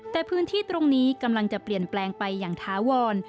แต่พื้นที่ตรงนี้กำลังจะเปลี่ยนแปลงไปอย่างถาวร